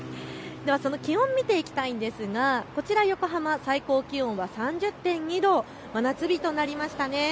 気温を見ていきたいんですがこちら横浜、最高気温は３０．２度、真夏日となりました。